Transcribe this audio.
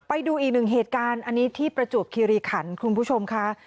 ไปดูอีกหนึ่งเหตุการณ์อันนี้ที่ประจวบคิริขันคุณผู้ชมค่ะ